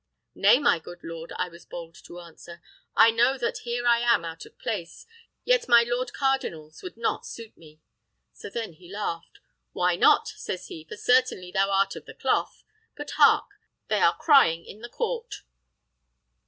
'Nay, my good lord,' I was bold to answer, 'I know that here I am out of place, yet my Lord Cardinal's would not suit me.' So then he laughed. 'Why not?' says he, 'for certainly thou art of the cloth.' But hark! they are crying in the court."